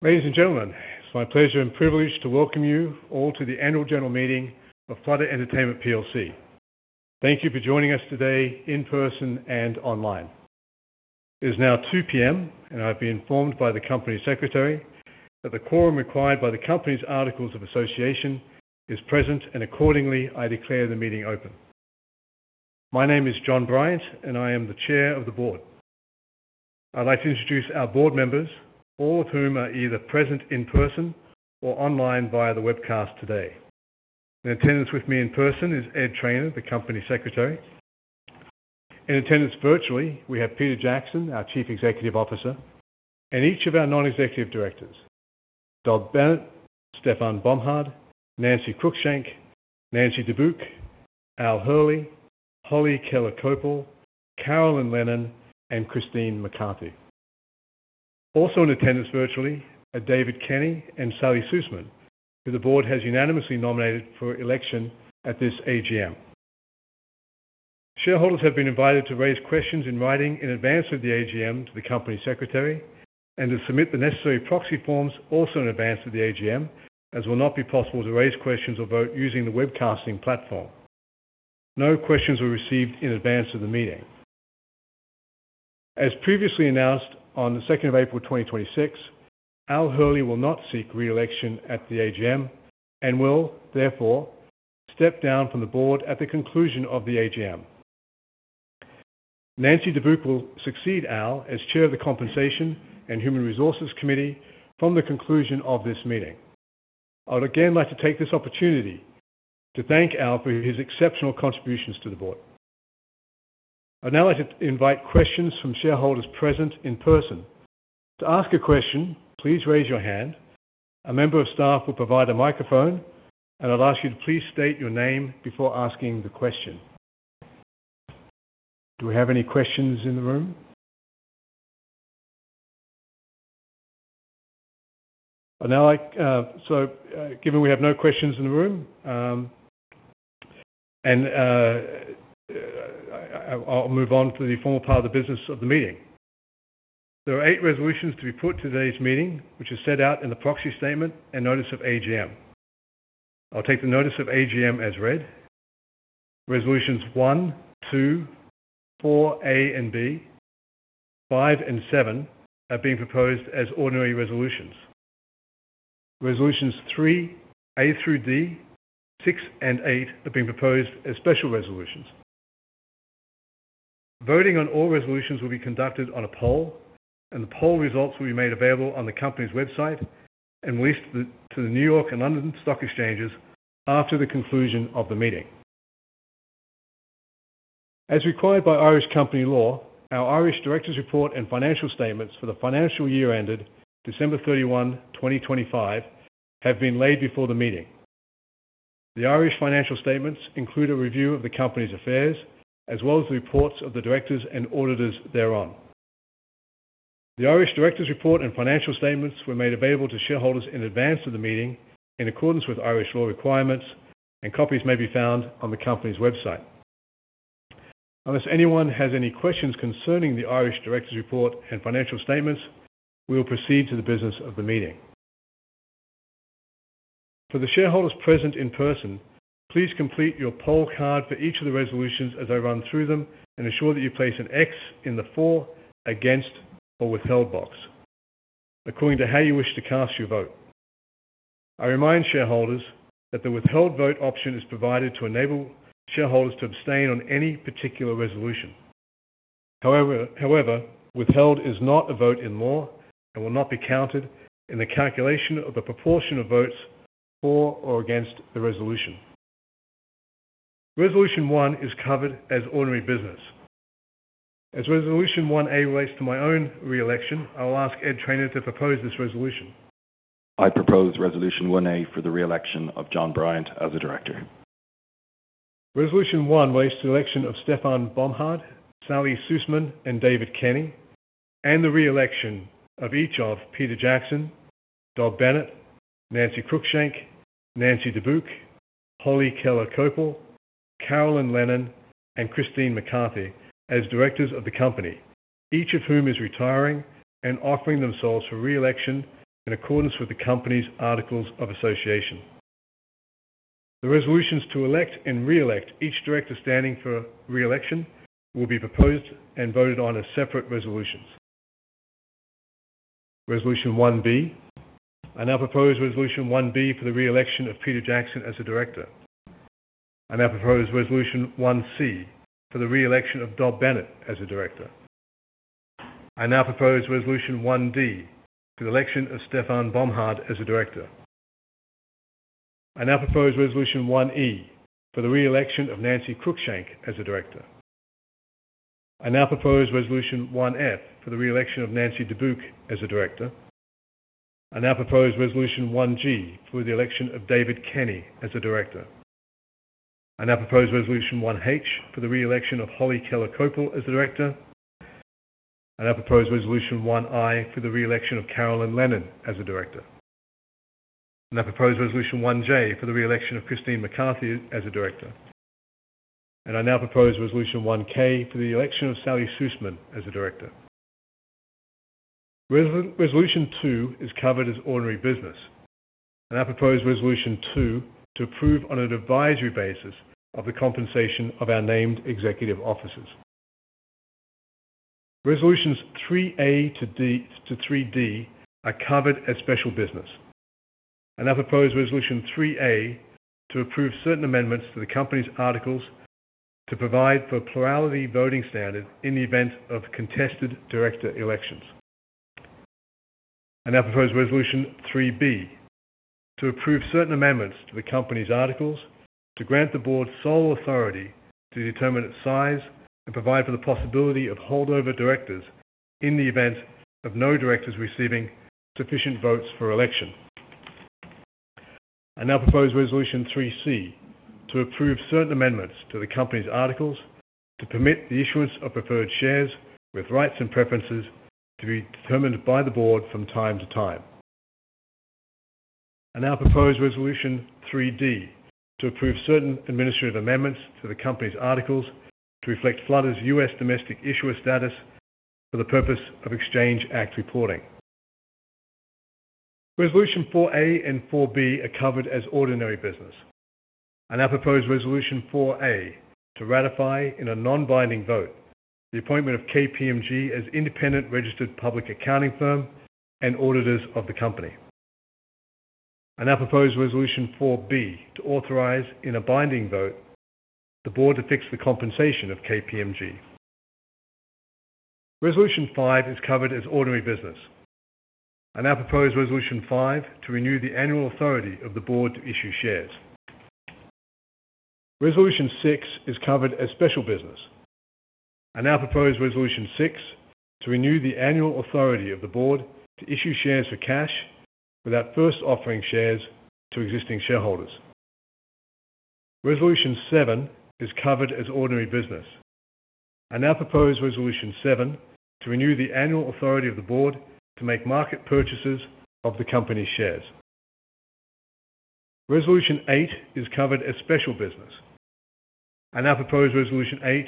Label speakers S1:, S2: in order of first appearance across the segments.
S1: Ladies and gentlemen, it's my pleasure and privilege to welcome you all to the annual general meeting of Flutter Entertainment plc. Thank you for joining us today in person and online. It is now 2:00 P.M., and I've been informed by the Company Secretary that the quorum required by the company's articles of association is present, and accordingly, I declare the meeting open. My name is John Bryant, and I am the Chair of the Board. I'd like to introduce our board members, all of whom are either present in person or online via the webcast today. In attendance with me in person is Ed Traynor, the Company Secretary. In attendance virtually, we have Peter Jackson, our Chief Executive Officer, and each of our Non-Executive Directors, Dob Bennett, Stefan Bomhard, Nancy Cruickshank, Nancy Dubuc, Al Hurley, Holly Keller Koeppel, Carolan Lennon, and Christine McCarthy. Also in attendance virtually are David Kenny and Sally Susman, who the board has unanimously nominated for election at this AGM. Shareholders have been invited to raise questions in writing in advance of the AGM to the Company Secretary and to submit the necessary proxy forms also in advance of the AGM, as it will not be possible to raise questions or vote using the webcasting platform. No questions were received in advance of the meeting. As previously announced on the 2nd of April 2026, Al Hurley will not seek re-election at the AGM and will, therefore, step down from the board at the conclusion of the AGM. Nancy Dubuc will succeed Al as Chair of the Compensation and Human Resources Committee from the conclusion of this meeting. I would again like to take this opportunity to thank Al for his exceptional contributions to the board. I'd now like to invite questions from shareholders present in person. To ask a question, please raise your hand. A member of staff will provide a microphone, and I'd ask you to please state your name before asking the question. Do we have any questions in the room? Given we have no questions in the room, I'll move on to the formal part of the business of the meeting. There are eight resolutions to be put at today's meeting, which are set out in the proxy statement and notice of AGM. I'll take the notice of AGM as read. Resolutions 1, 2, 4A and 4B, 5, and 7 have been proposed as ordinary resolutions. Resolutions 3A, 3B, 3C, 3D, 6, and 8 have been proposed as special resolutions. Voting on all resolutions will be conducted on a poll, and the poll results will be made available on the company's website and released to the New York and London stock exchanges after the conclusion of the meeting. As required by Irish company law, our Irish directors report and financial statements for the financial year ended December 31, 2025, have been laid before the meeting. The Irish financial statements include a review of the company's affairs, as well as the reports of the directors and auditors thereon. The Irish directors report and financial statements were made available to shareholders in advance of the meeting in accordance with Irish law requirements, and copies may be found on the company's website. Unless anyone has any questions concerning the Irish directors report and financial statements, we will proceed to the business of the meeting. For the shareholders present in person, please complete your poll card for each of the resolutions as I run through them and ensure that you place an x in the for, against, or withheld box according to how you wish to cast your vote. I remind shareholders that the withheld vote option is provided to enable shareholders to abstain on any particular resolution. However, withheld is not a vote in law and will not be counted in the calculation of the proportion of votes for or against the resolution. Resolution 1 is covered as ordinary business. As resolution 1A relates to my own re-election, I will ask Ed Traynor to propose this resolution.
S2: I propose resolution 1A for the re-election of John Bryant as a director.
S1: Resolution one relates to the election of Stefan Bomhard, Sally Susman, and David Kenny and the re-election of each of Peter Jackson, Dob Bennett, Nancy Cruickshank, Nancy Dubuc, Holly Keller Koeppel, Carolan Lennon, and Christine McCarthy as directors of the company, each of whom is retiring and offering themselves for re-election in accordance with the company's articles of association. The resolutions to elect and re-elect each director standing for re-election will be proposed and voted on as separate resolutions. Resolution 1B. I now propose resolution 1B for the re-election of Peter Jackson as a director. I now propose resolution 1C for the re-election of Dob Bennett as a director. I now propose resolution 1D for the election of Stefan Bomhard as a director. I now propose resolution 1E for the re-election of Nancy Cruickshank as a director. I now propose resolution 1F for the re-election of Nancy Dubuc as a director. I now propose resolution 1G for the election of David Kenny as a director. I now propose resolution 1H for the re-election of Holly Keller Koeppel as a director. I now propose resolution 1I for the re-election of Carolan Lennon as a director. I propose Resolution 1J for the re-election of Christine McCarthy as a director. I now propose Resolution 1K for the election of Sally Susman as a director. Resolution 2 is covered as ordinary business, I propose Resolution 2 to approve on an advisory basis of the compensation of our named executive officers. Resolutions 3A to 3D are covered as special business. I propose Resolution 3A to approve certain amendments to the company's articles to provide for plurality voting standard in the event of contested director elections. I now propose Resolution 3B, to approve certain amendments to the company's articles to grant the board sole authority to determine its size and provide for the possibility of holdover directors in the event of no directors receiving sufficient votes for election. I now propose Resolution 3C, to approve certain amendments to the company's articles to permit the issuance of preferred shares with rights and preferences to be determined by the board from time to time. I now propose Resolution 3D, to approve certain administrative amendments to the company's articles to reflect Flutter's U.S. domestic issuer status for the purpose of Exchange Act reporting. Resolution 4A and 4B are covered as ordinary business. I now propose Resolution 4A to ratify, in a non-binding vote, the appointment of KPMG as independent registered public accounting firm and auditors of the company. I now propose Resolution 4B, to authorize, in a binding vote, the board to fix the compensation of KPMG. Resolution 5 is covered as ordinary business. I now propose Resolution 5 to renew the annual authority of the board to issue shares. Resolution 6 is covered as special business. I now propose Resolution 6 to renew the annual authority of the board to issue shares for cash without first offering shares to existing shareholders. Resolution 7 is covered as ordinary business. I now propose Resolution 7 to renew the annual authority of the board to make market purchases of the company shares. Resolution 8 is covered as special business. I now propose Resolution 8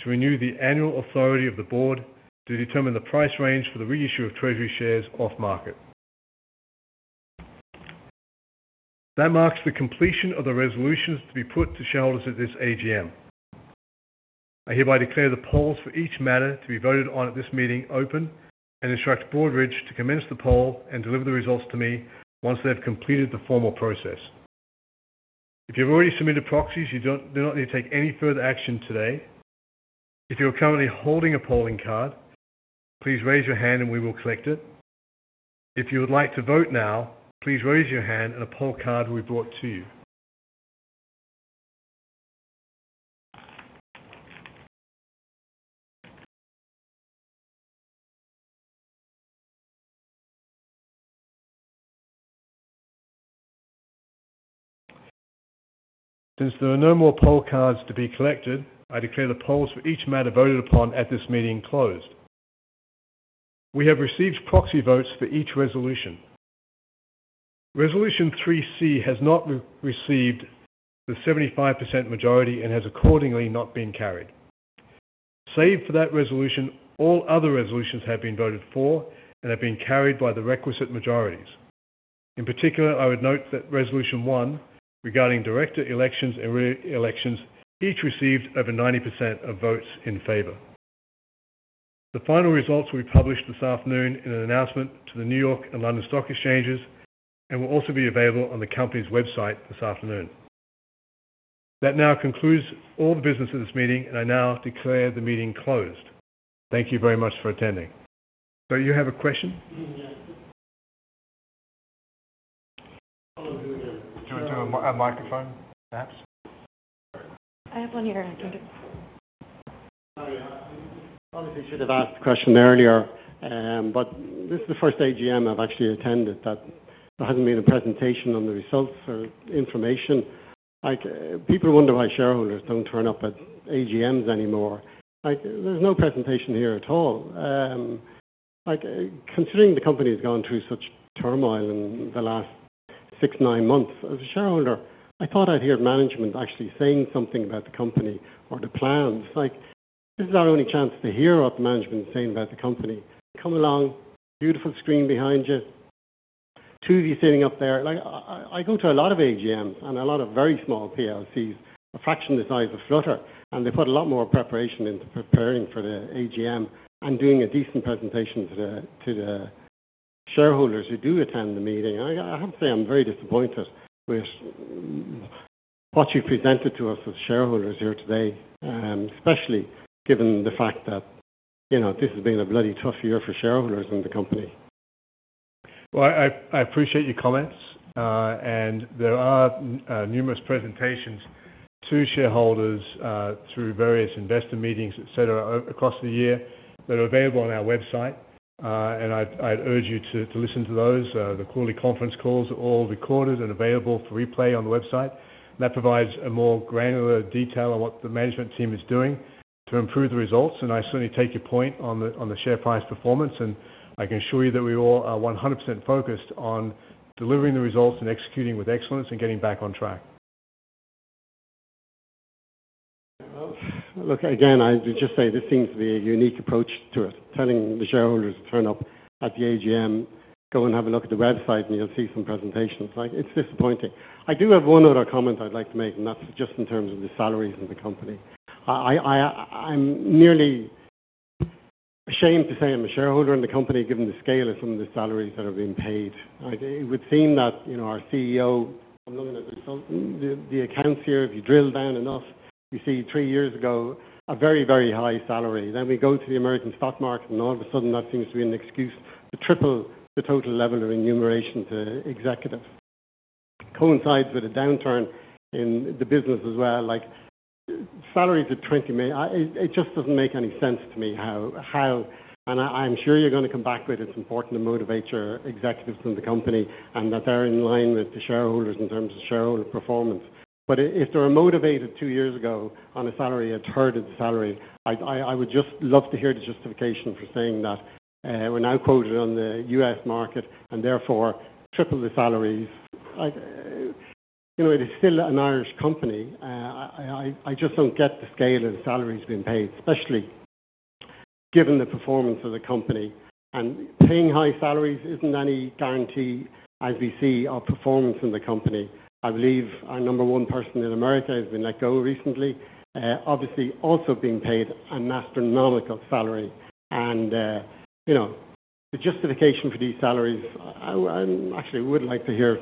S1: to renew the annual authority of the board to determine the price range for the reissue of treasury shares off market. That marks the completion of the resolutions to be put to shareholders at this AGM. I hereby declare the polls for each matter to be voted on at this meeting open and instruct Broadridge to commence the poll and deliver the results to me once they've completed the formal process. If you've already submitted proxies, you do not need to take any further action today. If you're currently holding a polling card, please raise your hand and we will collect it. If you would like to vote now, please raise your hand and a poll card will be brought to you. Since there are no more poll cards to be collected, I declare the polls for each matter voted upon at this meeting closed. We have received proxy votes for each resolution. Resolution 3C has not received the 75% majority and has accordingly not been carried. Save for that resolution, all other resolutions have been voted for and have been carried by the requisite majorities. In particular, I would note that Resolution 1, regarding director elections and re-elections, each received over 90% of votes in favor. The final results will be published this afternoon in an announcement to the New York and London stock exchanges and will also be available on the company's website this afternoon. That now concludes all the business of this meeting, and I now declare the meeting closed. Thank you very much for attending. Sir, you have a question?
S3: Yeah.
S1: Do you want a microphone, perhaps?
S3: Sorry. I obviously should have asked the question earlier, but this is the first AGM I've actually attended that there hasn't been a presentation on the results or information. People wonder why shareholders don't turn up at AGMs anymore. There's no presentation here at all. Considering the company's gone through such turmoil in the last six, nine months, as a shareholder, I thought I'd hear management actually saying something about the company or the plans. This is our only chance to hear what the management is saying about the company. Come along, beautiful screen behind you, two of you sitting up there. I go to a lot of AGMs and a lot of very small PLCs, a fraction of the size of Flutter, and they put a lot more preparation into preparing for the AGM and doing a decent presentation to the shareholders who do attend the meeting. I have to say, I'm very disappointed with what you presented to us as shareholders here today, especially given the fact that this has been a bloody tough year for shareholders in the company.
S1: Well, I appreciate your comments. There are numerous presentations to shareholders, through various investor meetings, et cetera, across the year that are available on our website. I'd urge you to listen to those. The quarterly conference calls are all recorded and available for replay on the website. That provides a more granular detail of what the management team is doing to improve the results, and I certainly take your point on the share price performance, and I can assure you that we all are 100% focused on delivering the results and executing with excellence and getting back on track.
S3: Well, look, again, I would just say this seems to be a unique approach to it, telling the shareholders to turn up at the AGM, go and have a look at the website, and you'll see some presentations. It's disappointing. I do have one other comment I'd like to make, and that's just in terms of the salaries of the company. I'm nearly ashamed to say I'm a shareholder in the company, given the scale of some of the salaries that are being paid. It would seem that our CEO. I'm looking at the accounts here. If you drill down enough, you see three years ago, a very high salary. We go to the American stock market, and all of a sudden, that seems to be an excuse to triple the total level of remuneration to executives. Coincides with a downturn in the business as well. Salaries of 20 million. It just doesn't make any sense to me how. I'm sure you're going to come back with, it's important to motivate your executives in the company and that they're in line with the shareholders in terms of shareholder performance. If they were motivated two years ago on a salary 1/3 of the salary, I would just love to hear the justification for saying that we're now quoted on the U.S. market and therefore triple the salaries. It is still an Irish company. I just don't get the scale of the salaries being paid, especially given the performance of the company. Paying high salaries isn't any guarantee, as we see, of performance in the company. I believe our number one person in America has been let go recently, obviously also being paid an astronomical salary. The justification for these salaries, I actually would like to hear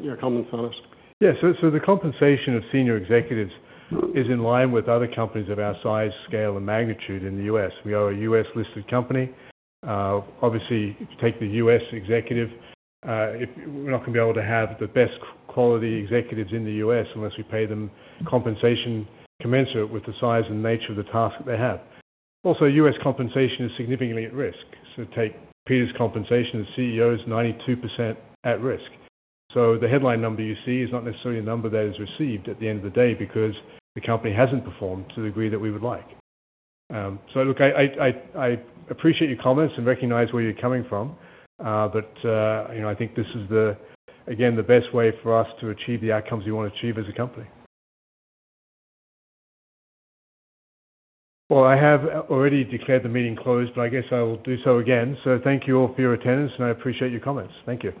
S3: your comments on it.
S1: The compensation of senior executives is in line with other companies of our size, scale, and magnitude in the U.S. We are a U.S.-listed company. If you take the U.S. executive, we're not going to be able to have the best quality executives in the U.S. unless we pay them compensation commensurate with the size and nature of the task that they have. U.S. compensation is significantly at risk. Take Peter's compensation as CEO is 92% at risk. The headline number you see is not necessarily a number that is received at the end of the day because the company hasn't performed to the degree that we would like. Look, I appreciate your comments and recognize where you're coming from. I think this is, again, the best way for us to achieve the outcomes we want to achieve as a company. Well, I have already declared the meeting closed, but I guess I will do so again. Thank you all for your attendance, and I appreciate your comments. Thank you.